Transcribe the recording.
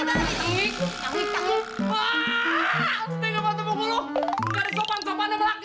nggak ada sopan sopan sama laki